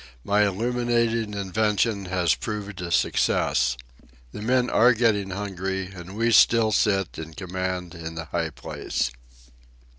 My illuminating invention has proved a success. The men are getting hungry, and we still sit in command in the high place.